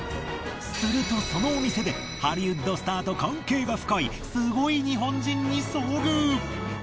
するとそのお店でハリウッドスターと関係が深いスゴイ日本人に遭遇！